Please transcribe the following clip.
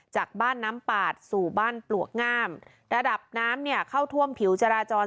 จากบ้านน้ำปาดสู่บ้านปลวกงามระดับน้ำเนี่ยเข้าท่วมผิวจราจร